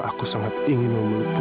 saya ingat sama ancamannya prabu